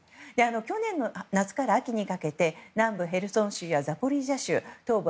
去年の夏から秋にかけて南部のヘルソン州やザポリージャ州東部